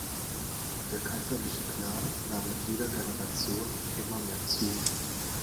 Der kaiserliche Clan nahm mit jeder Generation immer mehr zu.